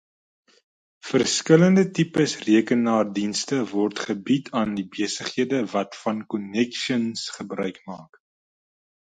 Verskillende tipes rekenaardienste word gebied aan die besighede wat van Konnexions gebruik maak.